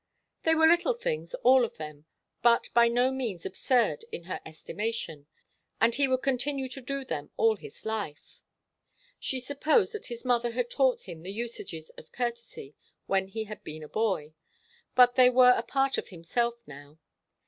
They were little things, all of them, but by no means absurd in her estimation, and he would continue to do them all his life. She supposed that his mother had taught him the usages of courtesy when he had been a boy, but they were a part of himself now.